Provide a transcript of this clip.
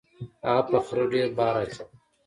هغه په خره ډیر بار اچاوه.